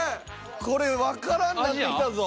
これわからんなってきたぞ。